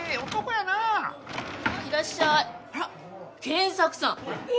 賢作さん！